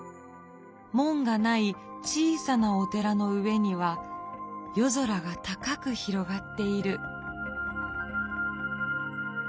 門がない小さなお寺の上には夜空が高く広がっている」。